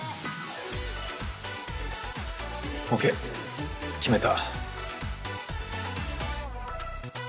ＯＫ決めた。